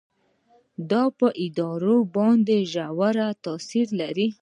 دا په اداره باندې ژور تاثیرات لري.